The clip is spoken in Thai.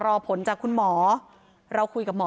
พี่ทีมข่าวของที่รักของ